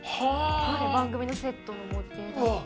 番組のセットの模型だったり。